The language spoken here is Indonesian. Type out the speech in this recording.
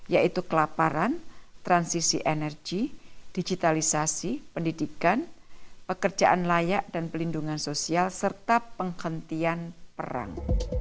yaitu kelaparan transisi energi digitalisasi pendidikan pekerjaan layak dan pelindungan sosial serta penghentian perang